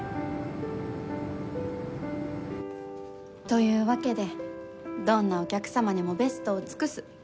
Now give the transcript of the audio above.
というわけでどんなお客様にもベストを尽くす。